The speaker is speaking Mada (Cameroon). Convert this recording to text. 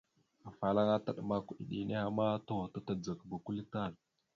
Afalaŋa taɗəmak eɗe henne ma, toŋgov tadzagaba kʉle tan.